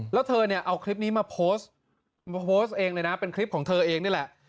แล้วเธอเอาคลิปนี้มาโพสต์เป็นคลิปของเธอเองนี่แหละ